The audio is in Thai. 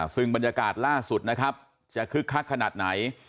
ซึ่งบรรยากาศล่าสุดจะคึกคัดขนาดไหน